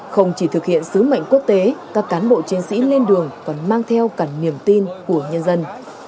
không chỉ thực hiện sứ mệnh quốc tế các cán bộ chiến sĩ lên đường còn mang theo cả niềm tin của nhân dân